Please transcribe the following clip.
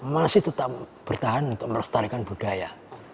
masih tetap bertahan untuk melestarikan budaya